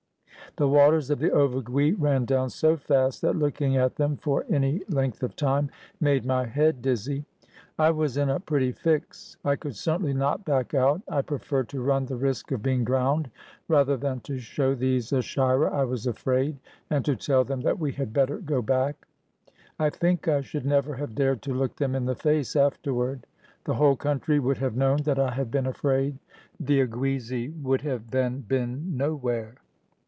The waters of the Ovigui ran down so fast that looking at them for any 424 CROSSING AN AFRICAN BRIDGE length of time made my head dizzy. I was in a pretty fix. I could certainly not back out. I preferred to run the risk of being drowned rather than to show these Ashira I was afraid, and to tell them that we had better go back. I think I should never have dared to look them in the face afterward. The whole country would have known that I had been afraid. The Oguizi would have then been nowhere.